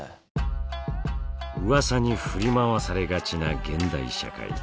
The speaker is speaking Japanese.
うわさに振り回されがちな現代社会。